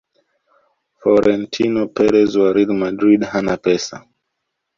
frorentino perez wa real madrid hana pesa